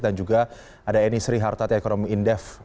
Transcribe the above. dan juga ada eni sri hartad ekonomi in depth